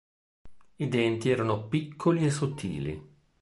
I denti erano piccoli e sottili.